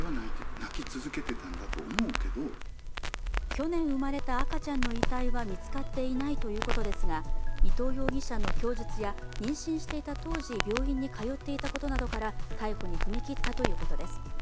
去年生まれた赤ちゃんの遺体は見つかっていないということですが伊藤容疑者の供述や妊娠していた当時病院に通っていたことなどから逮捕に踏み切ったということです。